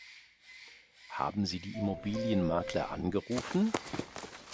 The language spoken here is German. Haben Sie die Immobilienmakler angerufen?